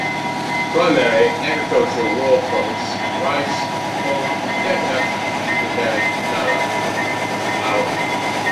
Primary agricultural raw products are rice, corn, coconut, sugarcane, banana and cut flower.